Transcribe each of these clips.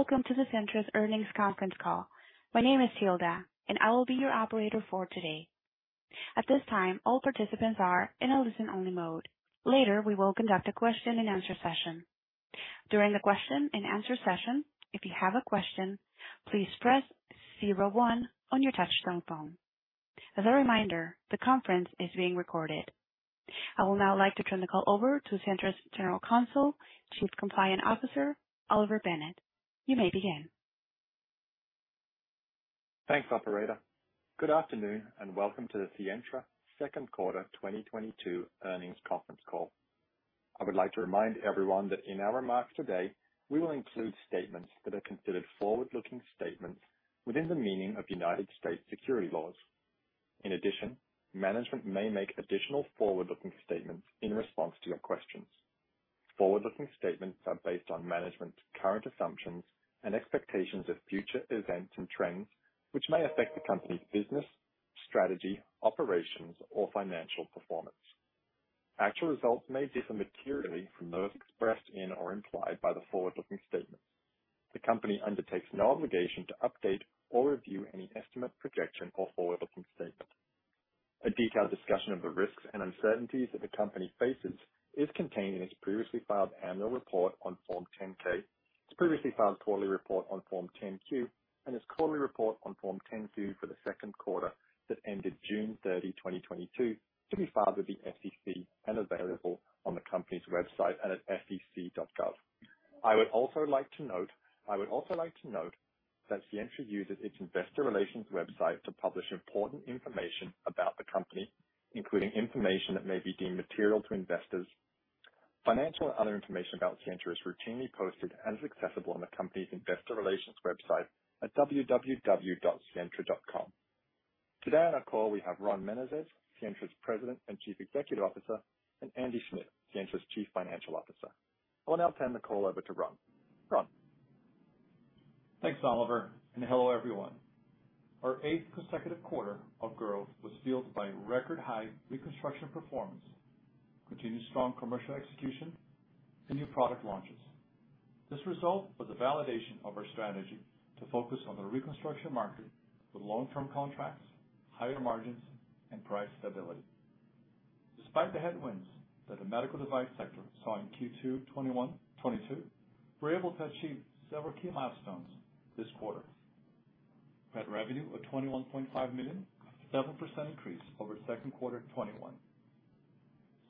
Welcome to the Sientra's Earnings Conference Call. My name is Hilda, and I will be your operator for today. At this time, all participants are in a listen-only mode. Later, we will conduct a question-and-answer session. During the question-and-answer session, if you have a question, please press zero one on your touchtone phone. As a reminder, the conference is being recorded. I will now like to turn the call over to Sientra's General Counsel, Chief Compliance Officer, Oliver Bennett. You may begin. Thanks, operator. Good afternoon, and welcome to the Sientra second quarter 2022 earnings conference call. I would like to remind everyone that in our remarks today, we will include statements that are considered forward-looking statements within the meaning of United States securities laws. In addition, management may make additional forward-looking statements in response to your questions. Forward-looking statements are based on management's current assumptions and expectations of future events and trends, which may affect the company's business, strategy, operations, or financial performance. Actual results may differ materially from those expressed in or implied by the forward-looking statements. The company undertakes no obligation to update or review any estimate, projection, or forward-looking statement. A detailed discussion of the risks and uncertainties that the company faces is contained in its previously filed annual report on Form 10-K, its previously filed quarterly report on Form 10-Q, and its quarterly report on Form 10-Q for the second quarter that ended June 30, 2022, to be filed with the SEC and available on the company's website and at sec.gov. I would also like to note that Sientra uses its investor relations website to publish important information about the company, including information that may be deemed material to investors. Financial and other information about Sientra is routinely posted and is accessible on the company's investor relations website at www.sientra.com. Today on our call, we have Ron Menezes, Sientra's President and Chief Executive Officer, and Andy Schmidt, Sientra's Chief Financial Officer. I will now turn the call over to Ron. Ron? Thanks, Oliver, and hello, everyone. Our eighth consecutive quarter of growth was fueled by record high reconstruction performance, continued strong commercial execution, and new product launches. This result was a validation of our strategy to focus on the reconstruction market with long-term contracts, higher margins, and price stability. Despite the headwinds that the medical device sector saw in Q2 2021, 2022, we were able to achieve several key milestones this quarter. We had revenue of $21.5 million, a 7% increase over second quarter 2021.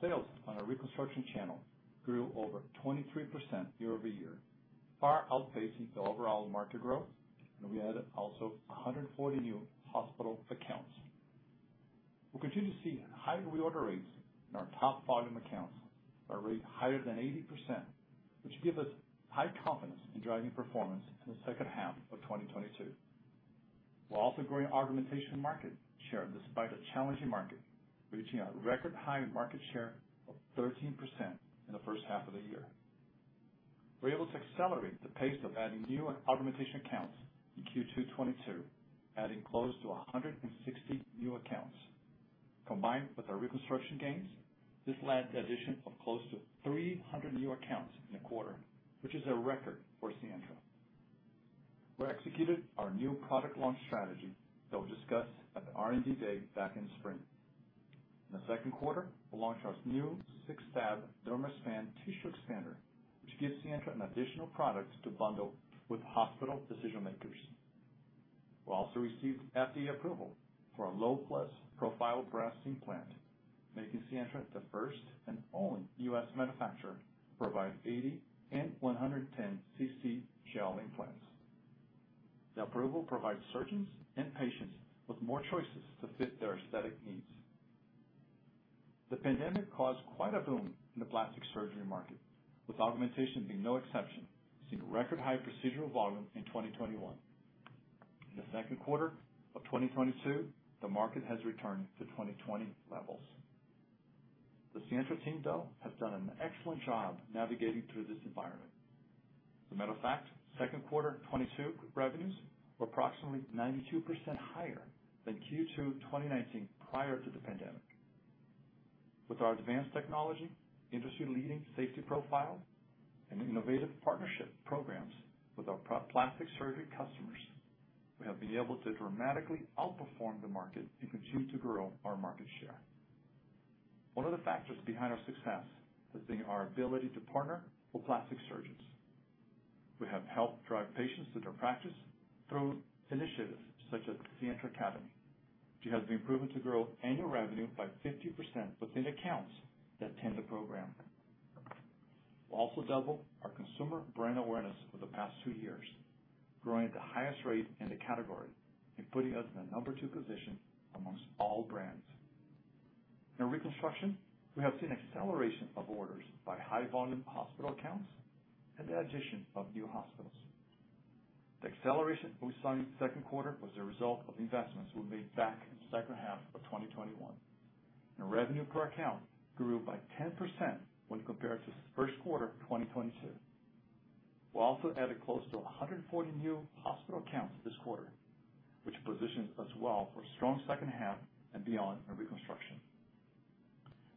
Sales on our reconstruction channel grew over 23% year-over-year, far outpacing the overall market growth, and we also added 140 new hospital accounts. We'll continue to see high reorder rates in our top volume accounts at a rate higher than 80%, which gives us high confidence in driving performance in the second half of 2022. We're also growing our augmentation market share despite a challenging market, reaching a record high market share of 13% in the first half of the year. We were able to accelerate the pace of adding new augmentation accounts in Q2 2022, adding close to 160 new accounts. Combined with our reconstruction gains, this led to the addition of close to 300 new accounts in a quarter, which is a record for Sientra. We executed our new product launch strategy that was discussed at the R&D Day back in spring. In the second quarter, we launched our new six-tab DermaSpan tissue expander, which gives Sientra an additional product to bundle with hospital decision-makers. We also received FDA approval for a Low Plus Profile breast implant, making Sientra the first and only U.S. manufacturer to provide 80 and 110 cc shell implants. The approval provides surgeons and patients with more choices to fit their aesthetic needs. The pandemic caused quite a boom in the plastic surgery market, with augmentation being no exception, seeing record high procedural volume in 2021. In the second quarter of 2022, the market has returned to 2020 levels. The Sientra team, though, has done an excellent job navigating through this environment. As a matter of fact, second quarter 2022 revenues were approximately 92% higher than Q2 2019 prior to the pandemic. With our advanced technology, industry-leading safety profile, and innovative partnership programs with our pro- plastic surgery customers, we have been able to dramatically outperform the market and continue to grow our market share. One of the factors behind our success has been our ability to partner with plastic surgeons. We have helped drive patients to their practice through initiatives such as Sientra Academy, which has been proven to grow annual revenue by 50% within accounts that attend the program. We've also doubled our consumer brand awareness for the past tw years, growing at the highest rate in the category and putting us in the number two position amongst all brands. In reconstruction, we have seen an acceleration of orders by high volume hospital accounts and the addition of new hospitals. The acceleration we saw in the second quarter was a result of investments we made back in the second half of 2021, and revenue per account grew by 10% when compared to the first quarter of 2022. We also added close to 140 new hospital accounts this quarter, which positions us well for a strong second half and beyond in reconstruction.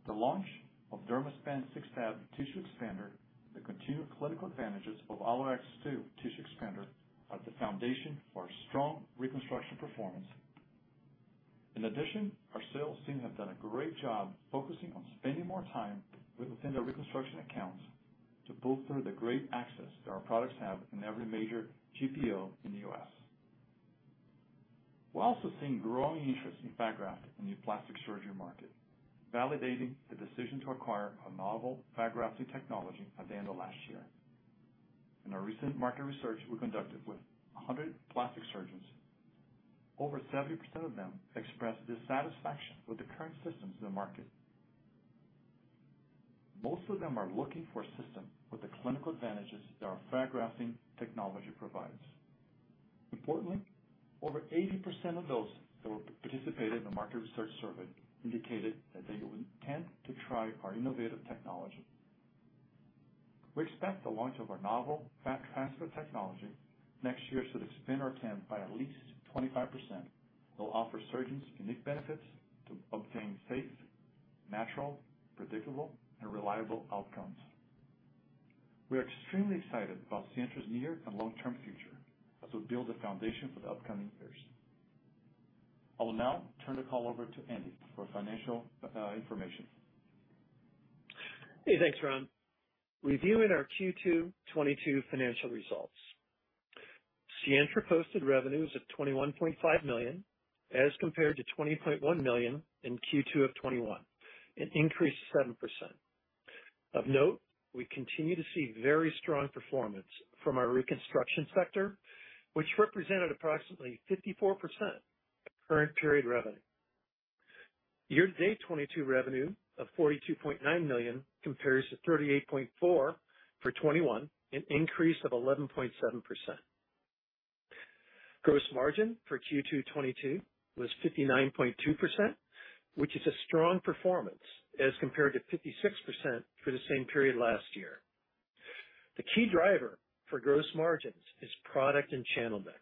The launch of DermaSpan six-tab tissue expander, the continued clinical advantages of AlloX2 tissue expander are the foundation for our strong reconstruction performance. In addition, our sales team have done a great job focusing on spending more time within their reconstruction accounts to bolster the great access that our products have in every major GPO in the U.S. We're also seeing growing interest in fat graft in the plastic surgery market, validating the decision to acquire a novel fat grafting technology at the end of last year. In our recent market research we conducted with 100 plastic surgeons, over 70% of them expressed dissatisfaction with the current systems in the market. Most of them are looking for a system with the clinical advantages that our fat grafting technology provides. Importantly, over 80% of those who participated in the market research survey indicated that they would intend to try our innovative technology. We expect the launch of our novel fat transfer technology next year should expand our TAM by at least 25%. It'll offer surgeons unique benefits to obtain safe, natural, predictable, and reliable outcomes. We are extremely excited about Sientra's near and long-term future as we build the foundation for the upcoming years. I will now turn the call over to Andy for financial information. Hey, thanks, Ron. Reviewing our Q2 2022 financial results. Sientra posted revenues of $21.5 million as compared to $20.1 million in Q2 of 2021, an increase of 7%. Of note, we continue to see very strong performance from our reconstruction sector, which represented approximately 54% of current period revenue. Year-to-date 2022 revenue of $42.9 million compares to $38.4 million for 2021, an increase of 11.7%. Gross margin for Q2 2022 was 59.2%, which is a strong performance as compared to 56% for the same period last year. The key driver for gross margins is product and channel mix.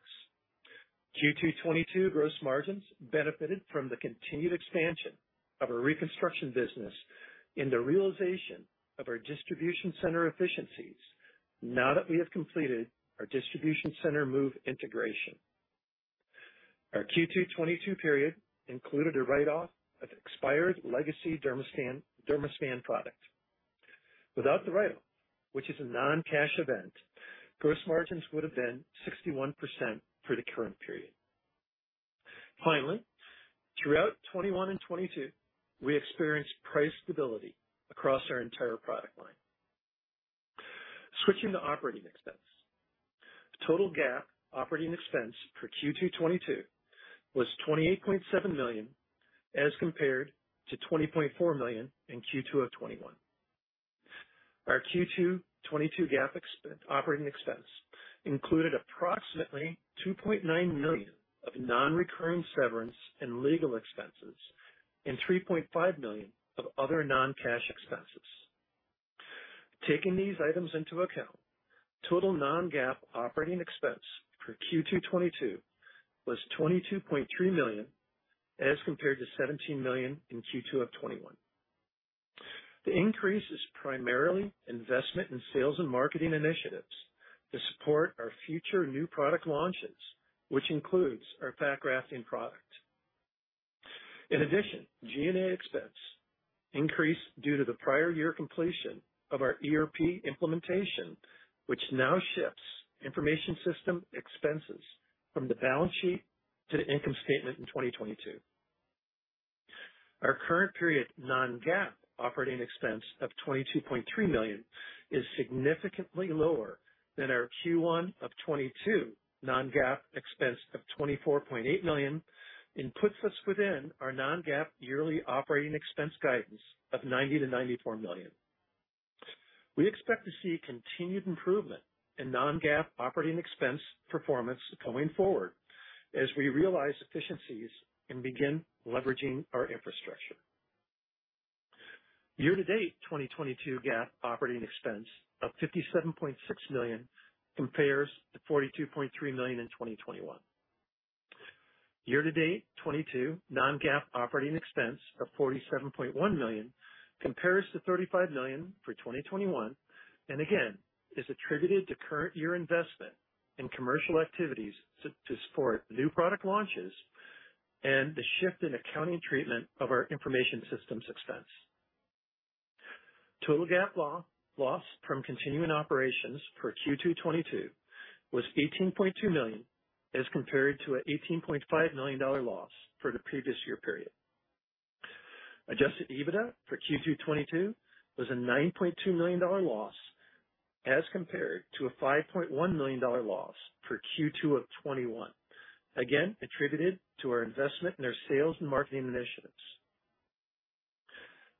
Q2 2022 gross margins benefited from the continued expansion of our reconstruction business in the realization of our distribution center efficiencies now that we have completed our distribution center move integration. Our Q2 2022 period included a write-off of expired legacy DermaSpan product. Without the write-off, which is a non-cash event, gross margins would have been 61% for the current period. Finally, throughout 2021 and 2022, we experienced price stability across our entire product line. Switching to operating expense. Total GAAP operating expense for Q2 2022 was $28.7 million, as compared to $20.4 million in Q2 of 2021. Our Q2 2022 GAAP operating expense included approximately $2.9 million of non-recurring severance and legal expenses and $3.5 million of other non-cash expenses. Taking these items into account, total non-GAAP operating expense for Q2 2022 was $22.3 million, as compared to $17 million in Q2 of 2021. The increase is primarily investment in sales and marketing initiatives to support our future new product launches, which includes our fat grafting product. In addition, G&A expense increased due to the prior year completion of our ERP implementation, which now shifts information system expenses from the balance sheet to the income statement in 2022. Our current period non-GAAP operating expense of $22.3 million is significantly lower than our Q1 of 2022 non-GAAP expense of $24.8 million and puts us within our non-GAAP yearly operating expense guidance of $90-$94 million. We expect to see continued improvement in non-GAAP operating expense performance going forward as we realize efficiencies and begin leveraging our infrastructure. Year-to-date 2022 GAAP operating expense of $57.6 million compares to $42.3 million in 2021. Year-to-date 2022 non-GAAP operating expense of $47.1 million compares to $35 million for 2021, and again is attributed to current year investment in commercial activities to support new product launches and the shift in accounting treatment of our information systems expense. Total GAAP loss from continuing operations for Q2 2022 was $18.2 million, as compared to an $18.5 million loss for the previous year period. Adjusted EBITDA for Q2 2022 was a $9.2 million loss, as compared to a $5.1 million loss for Q2 of 2021, again attributed to our investment in our sales and marketing initiatives.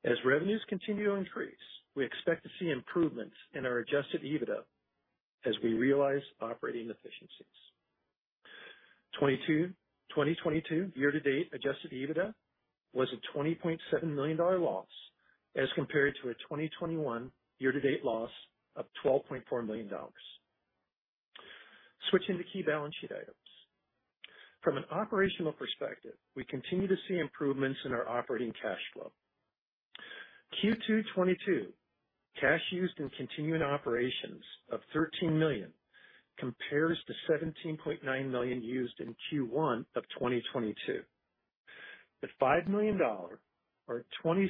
As revenues continue to increase, we expect to see improvements in our adjusted EBITDA as we realize operating efficiencies. 2022 year-to-date adjusted EBITDA was a $20.7 million loss, as compared to a 2021 year-to-date loss of $12.4 million. Switching to key balance sheet items. From an operational perspective, we continue to see improvements in our operating cash flow. Q2 2022 cash used in continuing operations of $13 million compares to $17.9 million used in Q1 of 2022. The $5 million or 27%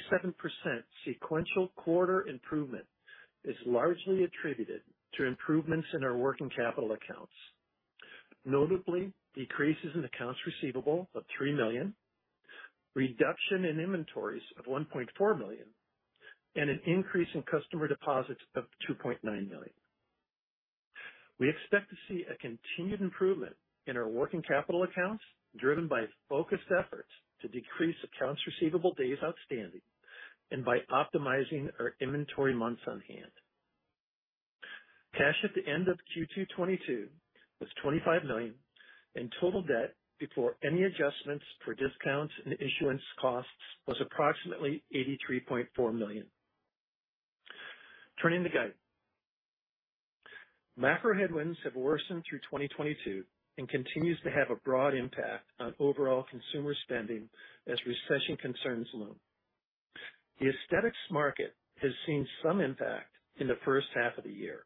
sequential quarter improvement is largely attributed to improvements in our working capital accounts. Notably, decreases in accounts receivable of $3 million, reduction in inventories of $1.4 million, and an increase in customer deposits of $2.9 million. We expect to see a continued improvement in our working capital accounts, driven by focused efforts to decrease accounts receivable days outstanding and by optimizing our inventory months on hand. Cash at the end of Q2 2022 was $25 million, and total debt before any adjustments for discounts and issuance costs was approximately $83.4 million. Turning to guidance. Macro headwinds have worsened through 2022 and continues to have a broad impact on overall consumer spending as recession concerns loom. The aesthetics market has seen some impact in the first half of the year.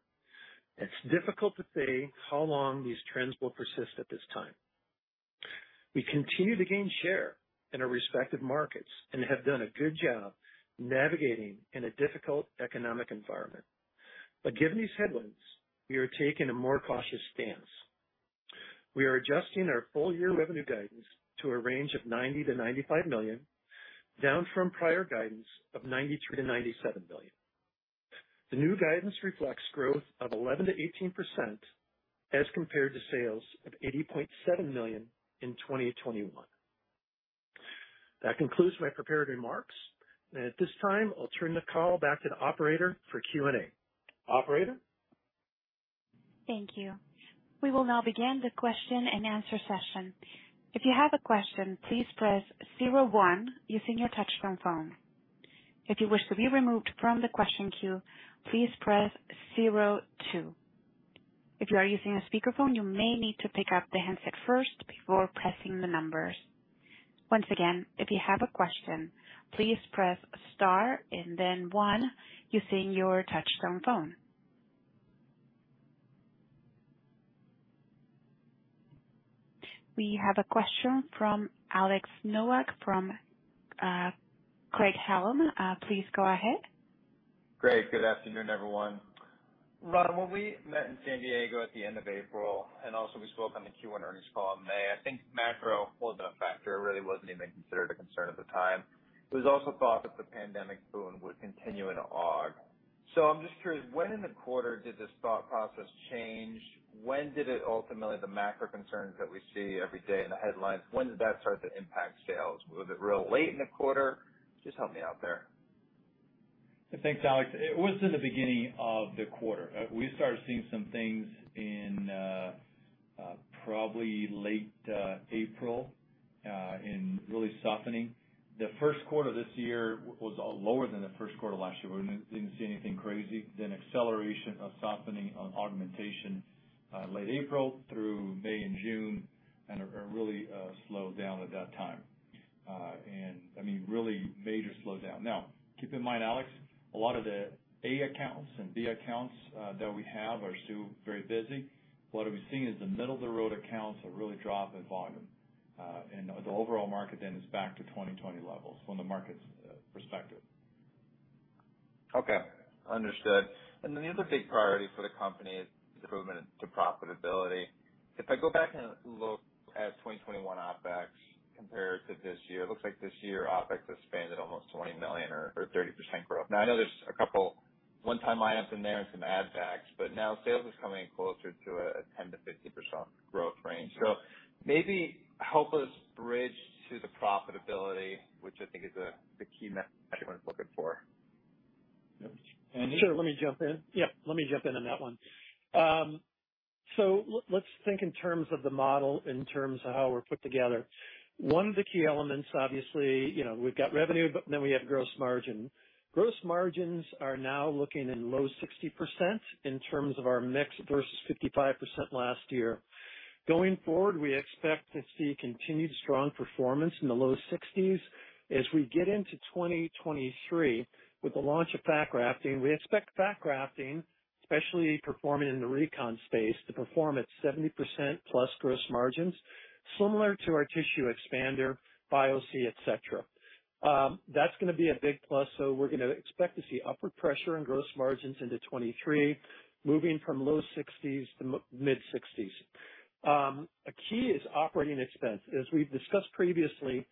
It's difficult to say how long these trends will persist at this time. We continue to gain share in our respective markets and have done a good job navigating in a difficult economic environment. Given these headwinds, we are taking a more cautious stance. We are adjusting our full year revenue guidance to a range of $90 million-$95 million, down from prior guidance of $93 million-$97 million. The new guidance reflects growth of 11%-18% as compared to sales of $80.7 million in 2021. That concludes my prepared remarks. At this time, I'll turn the call back to the operator for Q&A. Operator? Thank you. We will now begin the question-and-answer session. If you have a question, please press zero one using your touchtone phone. If you wish to be removed from the question queue, please press zero two. If you are using a speakerphone, you may need to pick up the handset first before pressing the numbers. Once again, if you have a question, please press star and then one using your touchtone phone. We have a question from Alex Nowak from Craig-Hallum. Please go ahead. Great. Good afternoon, everyone. Ron, when we met in San Diego at the end of April, and also we spoke on the Q1 earnings call in May, I think macro wasn't a factor. It really wasn't even considered a concern at the time. It was also thought that the pandemic boom would continue into August. I'm just curious, when in the quarter did this thought process change? When did it ultimately, the macro concerns that we see every day in the headlines, when did that start to impact sales? Was it real late in the quarter? Just help me out there. Thanks, Alex. It was in the beginning of the quarter. We started seeing some things in, probably late April, in really softening. The first quarter this year was lower than the first quarter last year. We didn't see anything crazy. Then acceleration of softening on augmentation, late April through May and June, and a really slow down at that time. I mean, really major slowdown. Now, keep in mind, Alex, a lot of the A accounts and B accounts that we have are still very busy. What we've seen is the middle-of-the-road accounts are really drop in volume. The overall market then is back to 2020 levels from the market's perspective. Okay. Understood. Then the other big priority for the company is improvement to profitability. If I go back and look at 2021 OpEx compared to this year, it looks like this year OpEx has expanded almost $20 million or 30% growth. Now, I know there's a couple one-time items in there and some add backs, but now sales is coming closer to a ten to fifteen percent growth range. Maybe help us bridge to the profitability, which I think is the key metric everyone's looking for. Sure. Let me jump in. Yeah, let me jump in on that one. Let's think in terms of the model in terms of how we're put together. One of the key elements, obviously, you know, we've got revenue, but then we have gross margin. Gross margins are now looking in low 60% in terms of our mix versus 55% last year. Going forward, we expect to see continued strong performance in the low 60s. As we get into 2023 with the launch of fat grafting, we expect fat grafting, especially performing in the recon space, to perform at 70% plus gross margins, similar to our tissue expander, BIOCORNEUM, et cetera. That's gonna be a big plus, so we're gonna expect to see upward pressure in gross margins into 2023, moving from low 60s to mid-60s. A key is operating expense. As we've discussed previously,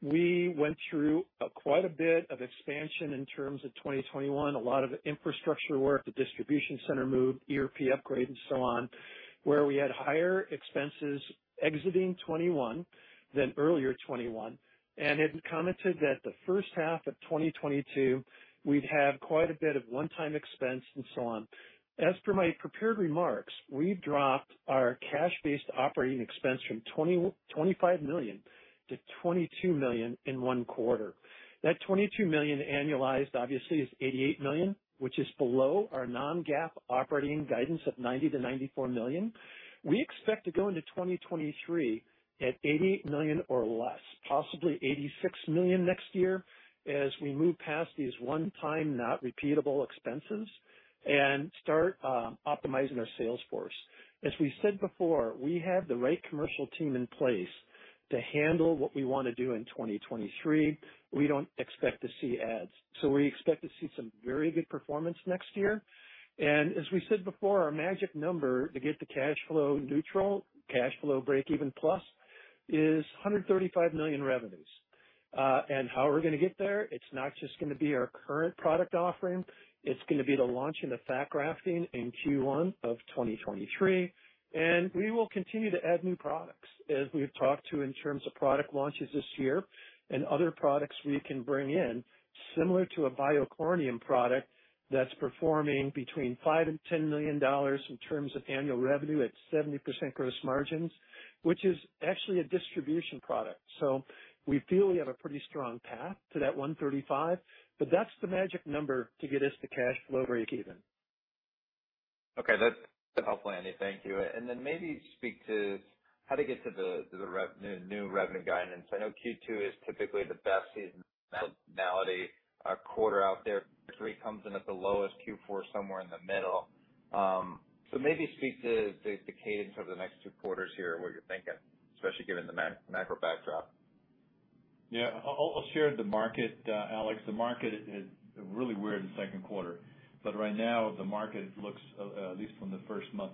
we went through quite a bit of expansion in terms of 2021, a lot of infrastructure work, the distribution center move, ERP upgrade and so on, where we had higher expenses exiting 2021 than earlier 2021. It commented that the first half of 2022, we'd have quite a bit of one-time expense and so on. As per my prepared remarks, we've dropped our cash-based operating expense from $25 million to $22 million in one quarter. That $22 million annualized obviously is $88 million, which is below our non-GAAP operating guidance of $90-$94 million. We expect to go into 2023 at $80 million or less, possibly $86 million next year as we move past these one-time, not repeatable expenses and start optimizing our sales force. As we said before, we have the right commercial team in place to handle what we wanna do in 2023. We don't expect to see ads. We expect to see some very good performance next year. As we said before, our magic number to get to cash flow neutral, cash flow breakeven plus is $135 million revenues. And how we're gonna get there, it's not just gonna be our current product offering, it's gonna be the launch in the fat grafting in Q1 of 2023. We will continue to add new products as we've talked about in terms of product launches this year and other products we can bring in similar to a BIOCORNEUM product that's performing between $5-$10 million in terms of annual revenue at 70% gross margins, which is actually a distribution product. We feel we have a pretty strong path to that $135, but that's the magic number to get us to cash flow breakeven. Okay. That's helpful, Andy. Thank you. Then maybe speak to how to get to the rev, the new revenue guidance. I know Q2 is typically the best seasonality quarter out there. Q3 comes in at the lowest, Q4 somewhere in the middle. So maybe speak to the cadence of the next two quarters here and what you're thinking, especially given the macro backdrop. Yeah. I'll share the market, Alex. The market is really weird in the second quarter, but right now the market looks at least from the first month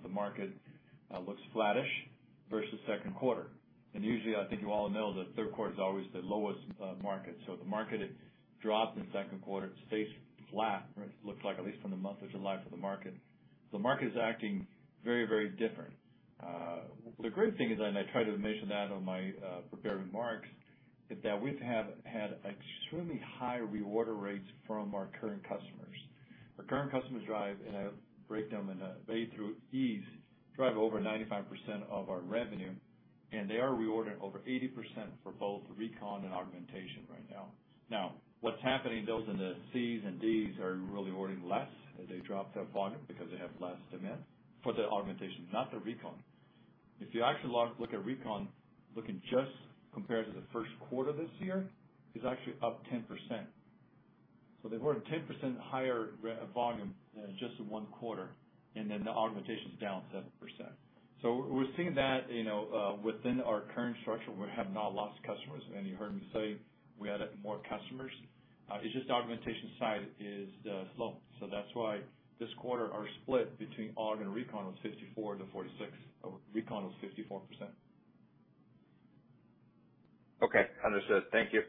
looks flattish versus second quarter. Usually, I think you all know that third quarter is always the lowest market. The market drops in the second quarter, it stays flat, or it looks like at least from the month of July for the market. The market is acting very, very different. The great thing is, and I try to mention that on my prepared remarks, is that we've had extremely high reorder rates from our current customers. Our current customers drive, and I break them into A through E, drive over 95% of our revenue, and they are reordering over 80% for both recon and augmentation right now. Now, what's happening, those in the Cs and Ds are really ordering less as they drop their volume because they have less demand for the augmentation, not the recon. If you actually look at recon, looking just compared to the first quarter this year, is actually up 10%. They've ordered 10% higher volume in just one quarter, and then the augmentation is down 7%. We're seeing that, you know, within our current structure, we have not lost customers. You heard me say we added more customers. It's just the augmentation side is slow. That's why this quarter, our split between aug and recon was 54-46. Recon was 54%. Okay. Understood. Thank you.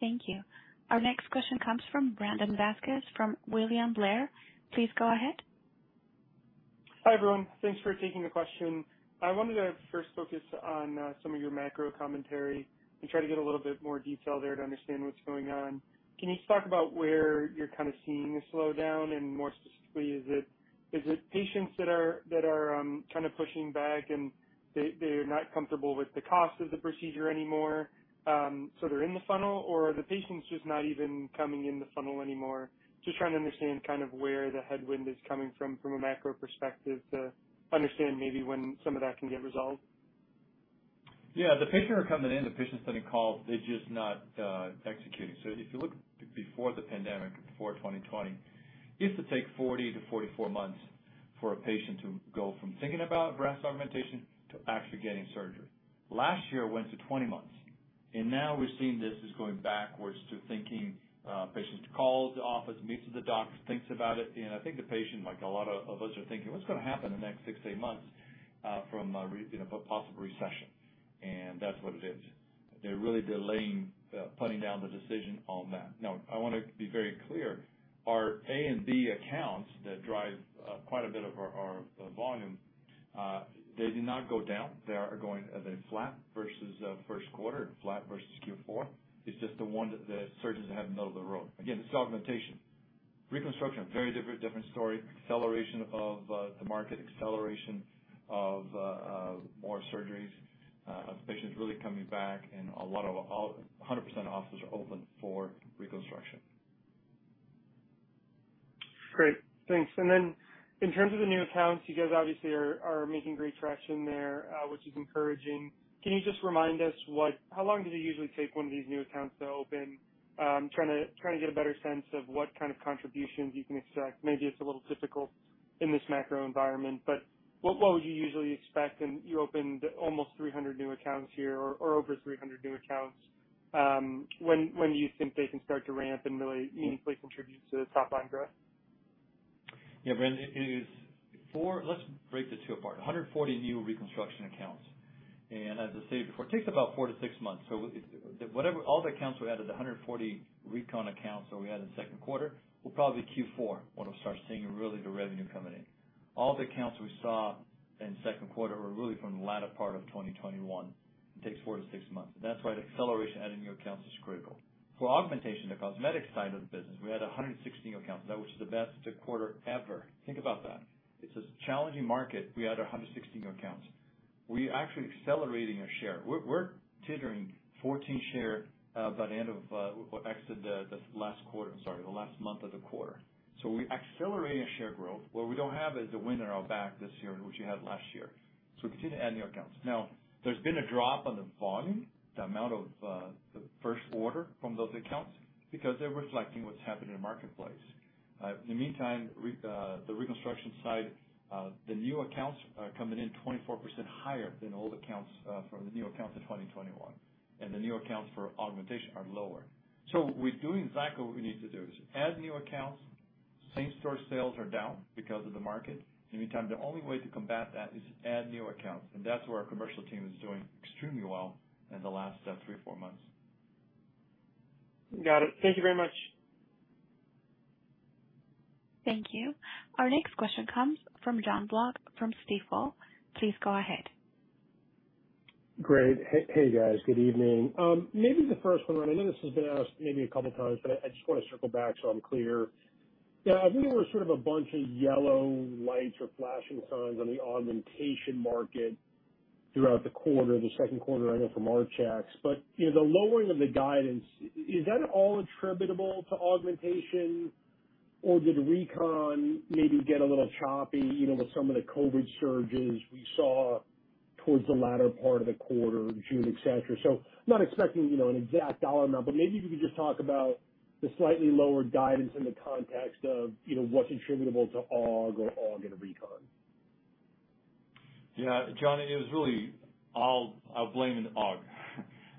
Thank you. Our next question comes from Brandon Vazquez, from William Blair. Please go ahead. Hi, everyone. Thanks for taking the question. I wanted to first focus on some of your macro commentary and try to get a little bit more detail there to understand what's going on. Can you talk about where you're kind of seeing the slowdown? More specifically, is it patients that are kind of pushing back and they're not comfortable with the cost of the procedure anymore, so they're in the funnel or are the patients just not even coming in the funnel anymore? Just trying to understand kind of where the headwind is coming from a macro perspective to understand maybe when some of that can get resolved. Yeah. Patients are coming in, patients are getting calls, they're just not executing. If you look before the pandemic, before 2020, it used to take 40-44 months for a patient to go from thinking about breast augmentation to actually getting surgery. Last year it went to 20 months, and now we're seeing this is going backwards to thinking, patients call the office, meet with the doctor, think about it. I think the patient, like a lot of us, are thinking, "What's gonna happen in the next 6-8 months, from a, you know, possible recession?" That's what it is. They're really delaying putting down the decision on that. Now, I wanna be very clear. Our A and B accounts that drive quite a bit of our volume, they did not go down. They are going as a flat versus first quarter and flat versus Q4. It's just the one that the surgeons are having middle-of-the-road. Again, it's augmentation. Reconstruction, very different story. Acceleration of the market, acceleration of more surgeries, patients really coming back, and a lot of 100% offices are open for reconstruction. Great. Thanks. In terms of the new accounts, you guys obviously are making great traction there, which is encouraging. Can you just remind us how long does it usually take one of these new accounts to open? Trying to get a better sense of what kind of contributions you can expect. Maybe it's a little difficult in this macro environment, but what would you usually expect? You opened almost 300 new accounts here or over 300 new accounts. When do you think they can start to ramp and really meaningfully contribute to the top line growth? Yeah, Brandon, let's break the two apart. 140 new reconstruction accounts. As I stated before, it takes about four to six months. All the accounts we added, the 140 recon accounts that we had in the second quarter, will probably be Q4 when we'll start seeing really the revenue coming in. All the accounts we saw in second quarter were really from the latter part of 2021. It takes four to six months. That's why the acceleration of adding new accounts is critical. For augmentation, the cosmetic side of the business, we had 116 new accounts. That was the best second quarter ever. Think about that. It's a challenging market. We had 116 new accounts. We're actually accelerating our share. We're teetering on 14% share by the end of, I'm sorry, the last month of the quarter. We're accelerating share growth. What we don't have is the wind at our back this year, which you had last year. We continue to add new accounts. Now, there's been a drop in the volume, the amount of the first order from those accounts because they're reflecting what's happening in the marketplace. In the meantime, the reconstruction side, the new accounts are coming in 24% higher than old accounts from the new accounts in 2021, and the new accounts for augmentation are lower. We're doing exactly what we need to do is add new accounts. Same-store sales are down because of the market. In the meantime, the only way to combat that is add new accounts, and that's where our commercial team is doing extremely well in the last three or four months. Got it. Thank you very much. Thank you. Our next question comes from Jonathan Block from Stifel. Please go ahead. Great. Hey, guys. Good evening. Maybe the first one, and I know this has been asked maybe a couple times, but I just wanna circle back so I'm clear. Yeah, I think there were sort of a bunch of yellow lights or flashing signs on the augmentation market throughout the quarter, the second quarter, I know from our checks, but, you know, the lowering of the guidance, is that all attributable to augmentation, or did recon maybe get a little choppy, you know, with some of the COVID surges we saw towards the latter part of the quarter in June, et cetera? I'm not expecting, you know, an exact dollar amount, but maybe if you could just talk about the slightly lower guidance in the context of, you know, what's attributable to aug or aug and recon. Yeah, Jon, it was really all blame in augmentation.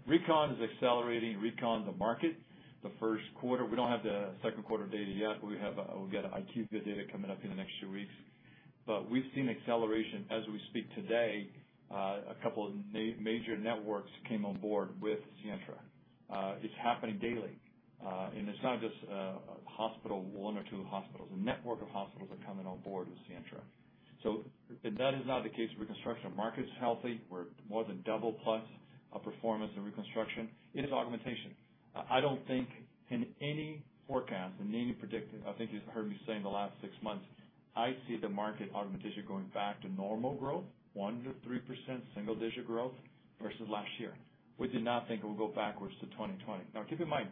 Reconstruction is accelerating. Reconstruction, the market, the first quarter, we don't have the second quarter data yet, but we've got IQVIA data coming up in the next two weeks. We've seen acceleration as we speak today, a couple of major networks came on board with Sientra. It's happening daily. And it's not just a hospital, one or two hospitals. A network of hospitals are coming on board with Sientra. That is not the case. Reconstruction market's healthy. We're more than double plus of performance in reconstruction. It is augmentation. I don't think in any forecast, in any prediction, I think you've heard me say in the last 6 months, I see the market augmentation going back to normal growth, 1%-3% single digit growth versus last year. We did not think it would go backwards to 2020. Now, keep in mind,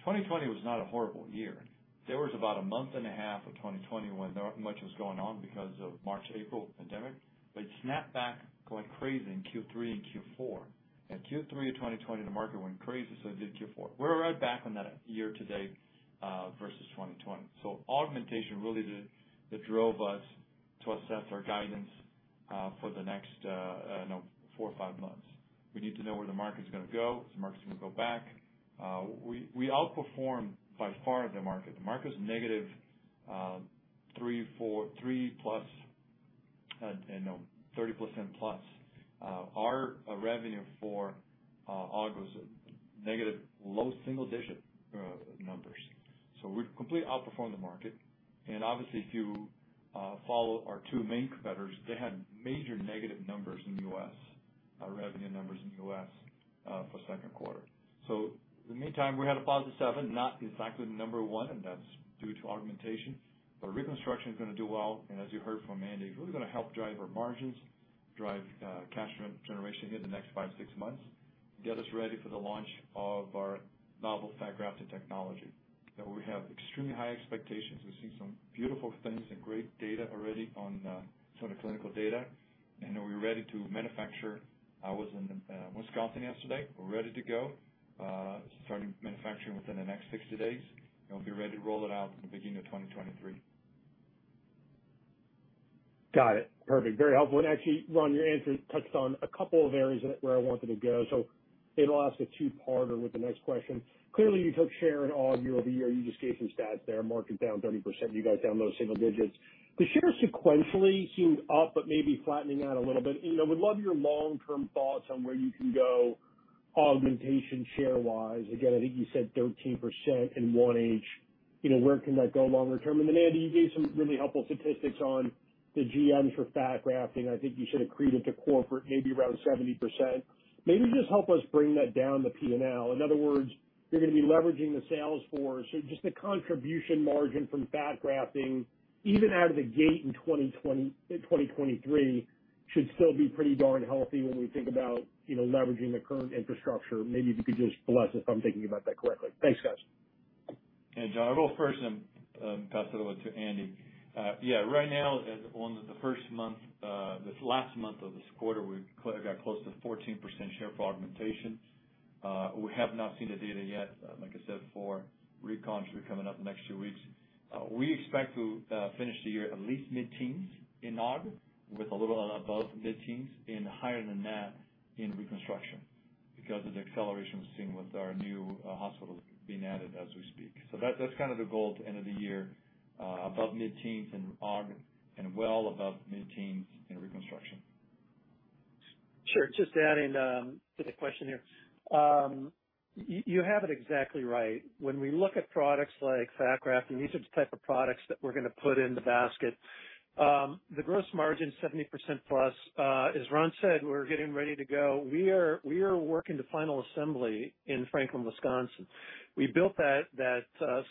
2020 was not a horrible year. There was about a month and a half of 2020 when not much was going on because of March, April pandemic, but it snapped back going crazy in Q3 and Q4. Q3 of 2020, the market went crazy, so it did Q4. We're right back on that year to date versus 2020. Augmentation that drove us to assess our guidance for the next, I know, four or five months. We need to know where the market's gonna go. Is the market gonna go back? We outperformed by far the market. The market's negative 30-43%, you know, 30% plus. Our Q2 revenue was negative low single-digit numbers. We've completely outperformed the market. Obviously, if you follow our two main competitors, they had major negative numbers in the U.S. revenue numbers in the U.S. for second quarter. In the meantime, we had a positive 7, not exactly number one, and that's due to augmentation. Reconstruction's gonna do well, and as you heard from Andy, it's really gonna help drive our margins, drive cash generation here the next five to six months, get us ready for the launch of our novel fat grafting technology, that we have extremely high expectations. We've seen some beautiful things and great data already on some of the clinical data. Then we're ready to manufacture. I was in Wisconsin yesterday. We're ready to go, starting manufacturing within the next 60 days, and we'll be ready to roll it out in the beginning of 2023. Got it. Perfect. Very helpful. Actually, Ron, your answer touched on a couple of areas that, where I wanted to go. It'll ask a two-parter with the next question. Clearly, you took share in augmentation year-over-year. You just gave some stats there, market down 30%. You guys down low single digits. The share sequentially seemed up, but maybe flattening out a little bit. You know, would love your long-term thoughts on where you can go augmentation share-wise. Again, I think you said 13% in 2018. You know, where can that go longer term? Then, Andy, you gave some really helpful statistics on the GM for fat grafting. I think you said accretive to corporate maybe around 70%. Maybe just help us break that down the P&L. In other words, you're gonna be leveraging the sales force or just the contribution margin from fat grafting, even out of the gate in 2023 should still be pretty darn healthy when we think about, you know, leveraging the current infrastructure. Maybe if you could just bless if I'm thinking about that correctly. Thanks, guys. Yeah, Jon, I will first and pass it over to Andy. Yeah, right now as of the first month, this last month of this quarter, we've got close to 14% share for augmentation. We have not seen the data yet, like I said, for recon. It should be coming out in the next two weeks. We expect to finish the year at least mid-teens in aug, with a little above mid-teens and higher than that in reconstruction because of the acceleration we've seen with our new hospitals being added as we speak. That, that's kind of the goal at the end of the year, above mid-teens in aug and well above mid-teens in reconstruction. Sure. Just adding to the question here. You have it exactly right. When we look at products like fat grafting, these are the type of products that we're gonna put in the basket. The gross margin 70% plus. As Ron said, we're getting ready to go. We are working to final assembly in Franklin, Wisconsin. We built that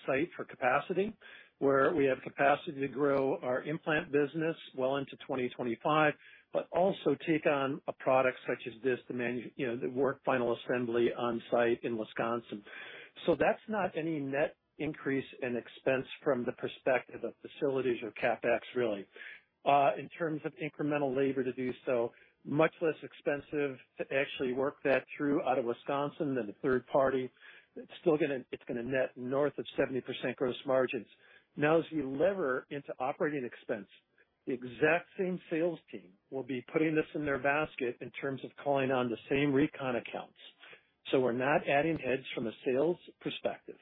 site for capacity, where we have capacity to grow our implant business well into 2025, but also take on a product such as this to you know, the work final assembly on site in Wisconsin. So that's not any net increase in expense from the perspective of facilities or CapEx really. In terms of incremental labor to do so, much less expensive to actually work that through out of Wisconsin than the third party. It's still gonna net north of 70% gross margins. Now, as you leverage into operating expense, the exact same sales team will be putting this in their basket in terms of calling on the same recon accounts. We're not adding heads from a sales perspective.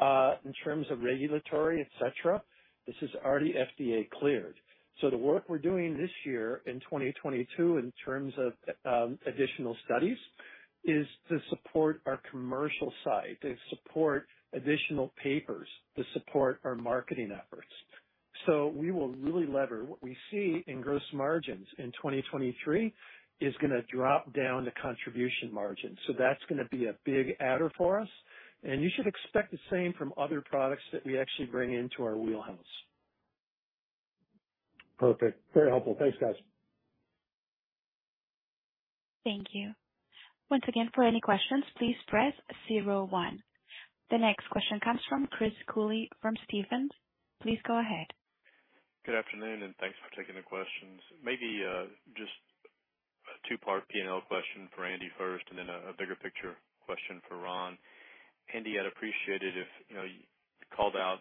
In terms of regulatory, et cetera, this is already FDA cleared. The work we're doing this year in 2022 in terms of additional studies is to support our commercial side, to support additional papers, to support our marketing efforts. We will really leverage what we see in gross margins in 2023 is gonna drop down the contribution margin. That's gonna be a big adder for us. You should expect the same from other products that we actually bring into our wheelhouse. Perfect. Very helpful. Thanks, guys. Thank you. Once again, for any questions, please press zero one. The next question comes from Chris Cooley from Stephens. Please go ahead. Good afternoon, and thanks for taking the questions. Maybe just a two-part P&L question for Andy first, and then a bigger picture question for Ron. Andy, I'd appreciate it if, you know, you called out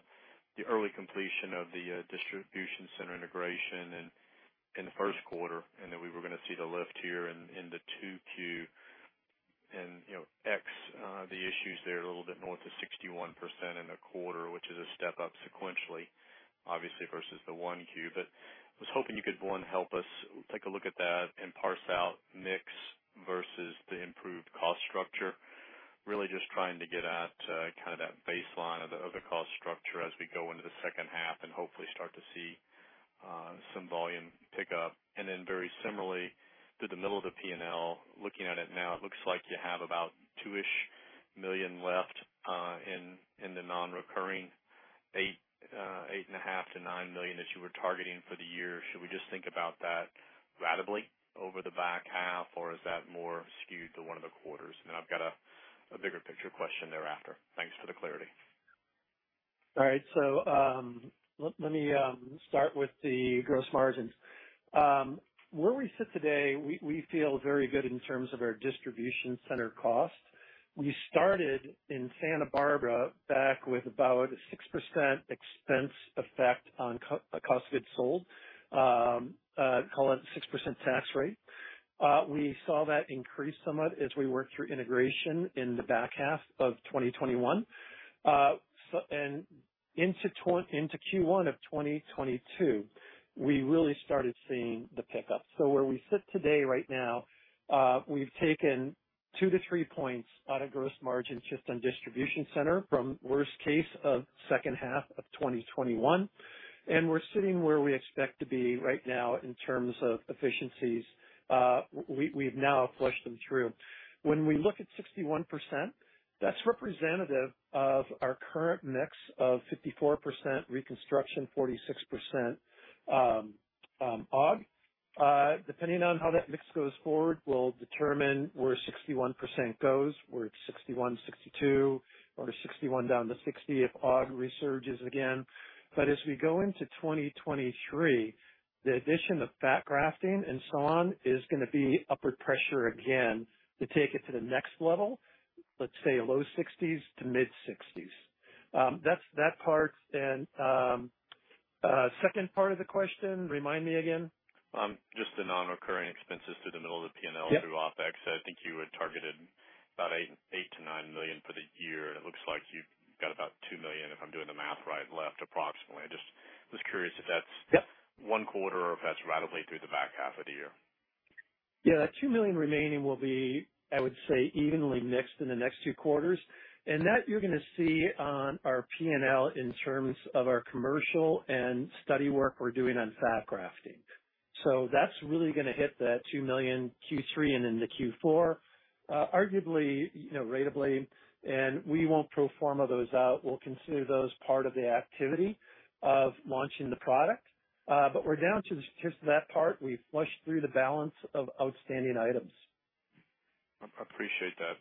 the early completion of the distribution center integration and in the first quarter, and that we were gonna see the lift here in 2Q. You know, ex the issues there a little bit north of 61% in the quarter, which is a step up sequentially, obviously versus the 1Q. I was hoping you could, one, help us take a look at that and parse out mix versus the improved cost structure. Really just trying to get at kinda that baseline of the cost structure as we go into the second half and hopefully start to see some volume pick up. Very similarly, through the middle of the P&L, looking at it now, it looks like you have about $2-ish million left in the non-recurring $8.5 million-$9 million that you were targeting for the year. Should we just think about that ratably over the back half, or is that more skewed to one of the quarters? I've got a bigger picture question thereafter. Thanks for the clarity. All right. Let me start with the gross margins. Where we sit today, we feel very good in terms of our distribution center cost. We started in Santa Barbara back with about a 6% expense effect on cost of goods sold, call it 6% hit. We saw that increase somewhat as we worked through integration in the back half of 2021. Into Q1 of 2022, we really started seeing the pickup. Where we sit today right now, we've taken two to three points out of gross margin just on distribution center from worst case of second half of 2021, and we're sitting where we expect to be right now in terms of efficiencies. We've now flushed them through. When we look at 61%, that's representative of our current mix of 54% reconstruction, 46% augmentation. Depending on how that mix goes forward will determine where 61% goes, where it's 61, 62 or 61 down to 60 if augmentation resurges again. As we go into 2023, the addition of fat grafting and so on is gonna be upward pressure again to take it to the next level, let's say low 60s to mid-60s. That's that part. Second part of the question, remind me again. Just the non-recurring expenses through the middle of the P&L. Yeah. through OpEx. I think you had targeted about $8 million-$9 million for the year. It looks like you've got about $2 million, if I'm doing the math right, left approximately. I just was curious if that's- Yeah. one quarter or if that's ratably through the back half of the year. Yeah. That $2 million remaining will be, I would say, evenly mixed in the next two quarters. That you're gonna see on our P&L in terms of our commercial and study work we're doing on fat grafting. That's really gonna hit the $2 million Q3 and into Q4, arguably, you know, ratably, and we won't pro forma those out. We'll consider those part of the activity of launching the product. We're down to just that part. We flushed through the balance of outstanding items. I appreciate that.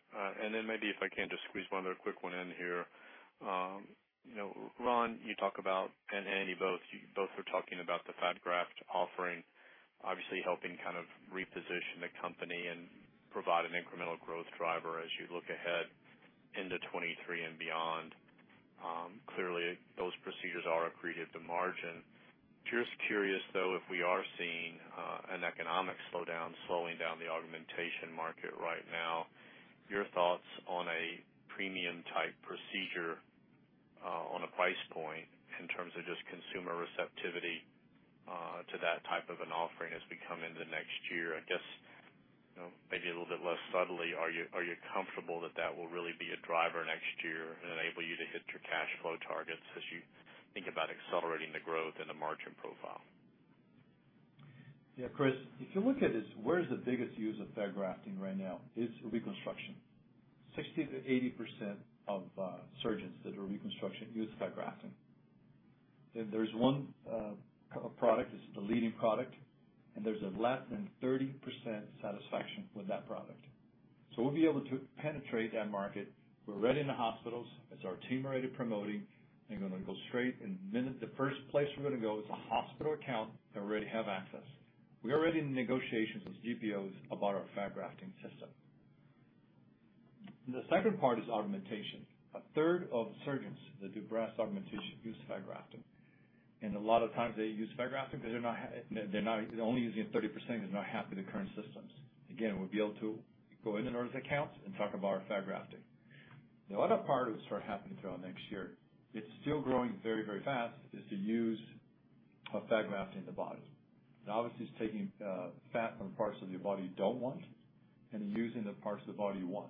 Then maybe if I can just squeeze one other quick one in here. You know, Ron, you talk about, and Andy both, you both are talking about the fat graft offering, obviously helping kind of reposition the company and provide an incremental growth driver as you look ahead into 2023 and beyond. Clearly, those procedures are accretive to margin. Just curious, though, if we are seeing an economic slowdown slowing down the augmentation market right now, your thoughts on a premium type procedure, on a price point in terms of just consumer receptivity to that type of an offering as we come into next year. I guess, you know, maybe a little bit less subtly, are you comfortable that that will really be a driver next year and enable you to hit your cash flow targets as you think about accelerating the growth in the margin profile? Yeah, Chris, if you look at this, where is the biggest use of fat grafting right now? It's reconstruction. 60%-80% of surgeons that are reconstruction use fat grafting. There's one product. It's the leading product, and there's less than 30% satisfaction with that product. We'll be able to penetrate that market. We're ready in the hospitals as our team are ready promoting, and we're gonna go straight. The first place we're gonna go is a hospital account that we already have access. We're already in negotiations with GPOs about our fat grafting system. The second part is augmentation. 1/3 of surgeons that do breast augmentation use fat grafting, and a lot of times they use fat grafting 'cause they're not. They're only using 30%. They're not happy with the current systems. Again, we'll be able to go into those accounts and talk about our fat grafting. The other part that will start happening throughout next year, it's still growing very, very fast, is the use of fat grafting in the body. Obviously, it's taking fat from parts of your body you don't want and using the parts of the body you want.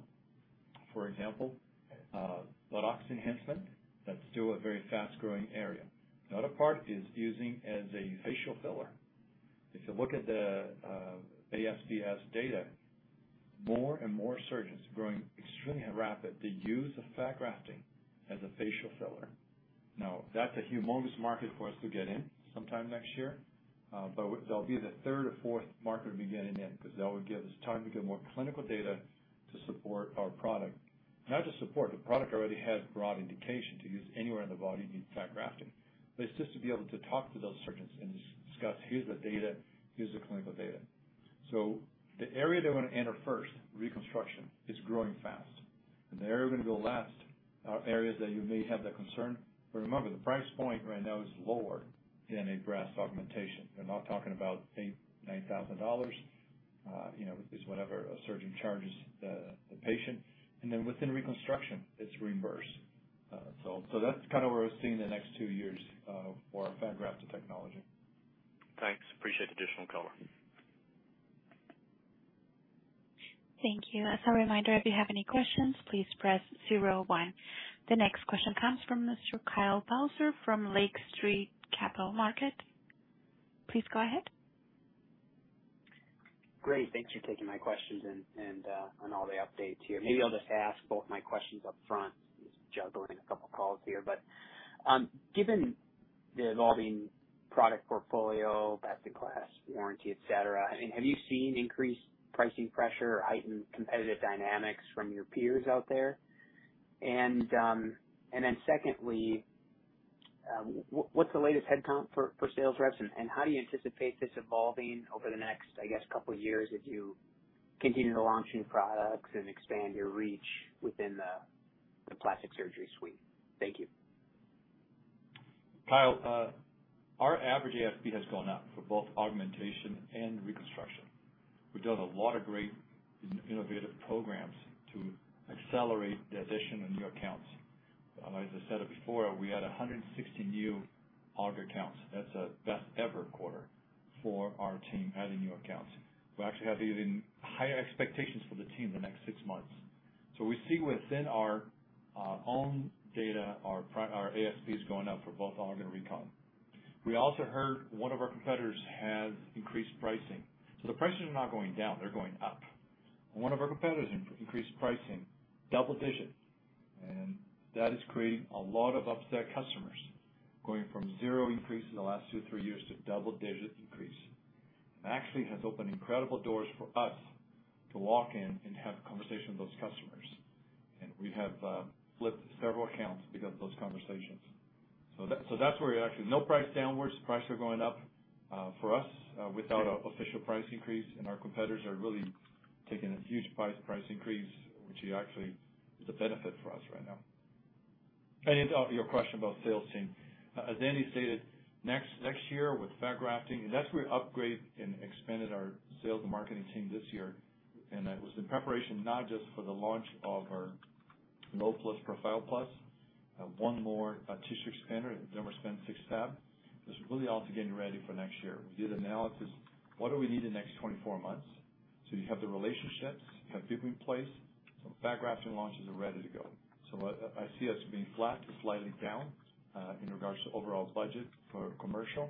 For example, buttocks enhancement, that's still a very fast-growing area. The other part is using as a facial filler. If you look at the ASPS data, more and more surgeons growing extremely rapid, they use the fat grafting as a facial filler. Now, that's a humongous market for us to get in sometime next year, but they'll be the third or fourth market we'll be getting in 'cause that would give us time to get more clinical data to support our product. Not just support, the product already has broad indication to use anywhere in the body you need fat grafting. It's just to be able to talk to those surgeons and discuss, "Here's the data, here's the clinical data." The area that we're gonna enter first, reconstruction, is growing fast. The area we're gonna go last are areas that you may have that concern, but remember, the price point right now is lower than a breast augmentation. We're not talking about $8,000-$9,000, you know, is whatever a surgeon charges the patient. Then within reconstruction, it's reimbursed. That's kind of where we're seeing the next two years for our fat grafting technology. Thanks. Appreciate the additional color. Thank you. As a reminder, if you have any questions, please press zero one. The next question comes from Mr. Kyle Bauser from Lake Street Capital Markets. Please go ahead. Great. Thanks for taking my questions on all the updates here. Maybe I'll just ask both my questions up front. Just juggling a couple calls here. Given the evolving product portfolio, best in class warranty, et cetera, have you seen increased pricing pressure or heightened competitive dynamics from your peers out there? What's the latest headcount for sales reps, and how do you anticipate this evolving over the next, I guess, couple years as you continue to launch new products and expand your reach within the plastic surgery suite? Thank you. Kyle, our average ASP has gone up for both augmentation and reconstruction. We've done a lot of great innovative programs to accelerate the addition of new accounts. As I said it before, we had 160 new aug accounts. That's a best ever quarter for our team, adding new accounts. We actually have even higher expectations for the team the next six months. We see within our own data, our ASPs going up for both aug and recon. We also heard one of our competitors has increased pricing, so the prices are not going down. They're going up. One of our competitors increased pricing double digits, and that is creating a lot of upset customers, going from zero increase in the last two, three years to double-digit increase. Actually has opened incredible doors for us to walk in and have a conversation with those customers. We have flipped several accounts because of those conversations. That's where we're actually no price downwards. The prices are going up for us without an official price increase, and our competitors are really taking a huge price increase, which actually is a benefit for us right now. To your question about sales team, as Andy stated, next year with fat grafting, and that's where we upgraded and expanded our sales and marketing team this year. That was in preparation not just for the launch of our Low Plus Profile, one more tissue expander, DermaSpan six-tab. It's really all about getting ready for next year. We did analysis. What do we need in the next 24 months? You have the relationships, you have people in place, so fat grafting launches are ready to go. I see us being flat to slightly down in regards to overall budget for commercial.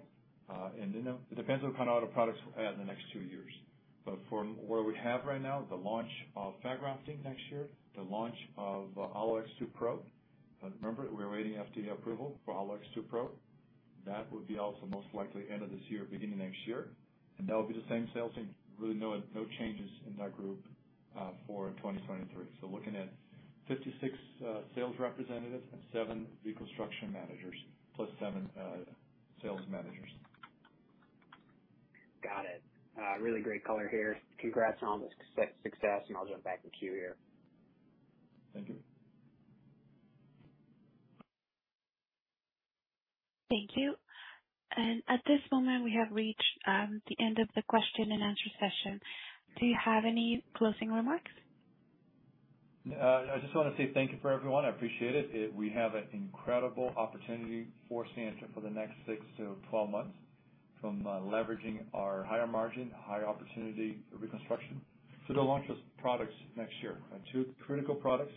It depends on what kind of other products we'll have in the next two years. From where we have right now, the launch of fat grafting next year, the launch of AlloX2 Pro. Remember, we're awaiting FDA approval for AlloX2 Pro. That would be also most likely end of this year or beginning of next year. That would be the same sales team. Really no changes in that group for 2023. Looking at 56 sales representatives and seven reconstruction managers, plus seven sales managers. Got it. Really great color here. Congrats on all the success, and I'll jump back into queue here. Thank you. Thank you. At this moment, we have reached the end of the question and answer session. Do you have any closing remarks? I just wanna say thank you for everyone. I appreciate it. We have an incredible opportunity for Sientra for the next six to 12 months from leveraging our higher margin, higher opportunity reconstruction to the launch of products next year. Two critical products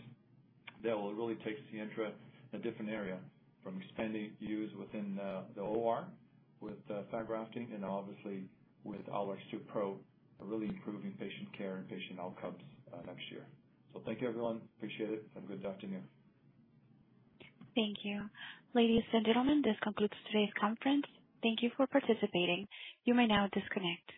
that will really take Sientra in a different area from expanding use within the OR with fat grafting and obviously with AlloX2 Pro, really improving patient care and patient outcomes next year. Thank you, everyone. Appreciate it. Have a good afternoon. Thank you. Ladies and gentlemen, this concludes today's conference. Thank you for participating. You may now disconnect.